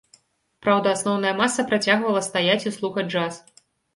Праўда, асноўная маса працягвала стаяць і слухаць джаз.